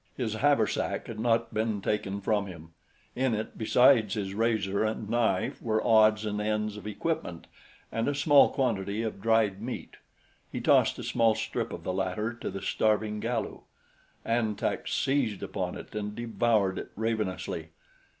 His haversack had not been taken from him. In it besides his razor and knife were odds and ends of equipment and a small quantity of dried meat. He tossed a small strip of the latter to the starving Galu. An Tak seized upon it and devoured it ravenously.